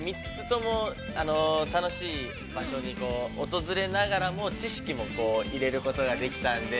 楽しい場所に訪れながらも、知識も入れることができたんで。